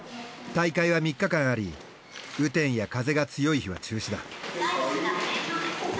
大会は３日間あり雨天や風が強い日は中止だ。